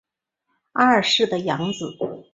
二世的养子。